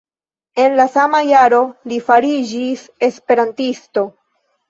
En la sama jaro li fariĝis esperantisto.